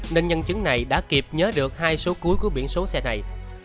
nên nhân chứng này đã kịp nhớ được hai số cuối của biển số xe này